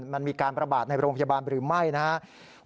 มันมีการประบาดในโรงพยาบาลหรือไม่นะครับ